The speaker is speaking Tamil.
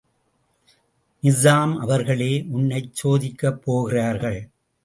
நிசாம் அவர்களே உன்னைச் சோதிக்கப்போகிறார்கள்.